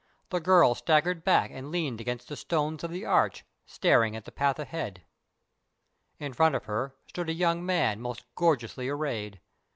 The girl staggered back and leaned against the stones of the arch, staring at the path ahead. In front of her stood a young man most gorgeously arrayed.